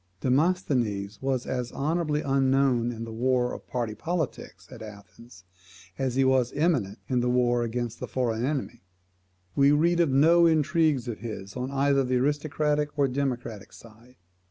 Demosthenes was as honourably unknown in the war of party politics at Athens, as he was eminent in the war against the foreign enemy. We read of no intrigues of his on either the aristocratic or democratic side.